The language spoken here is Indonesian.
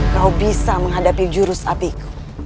kau bisa menghadapi jurus apiku